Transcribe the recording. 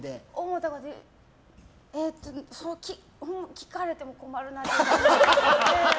聞かれても困るなって。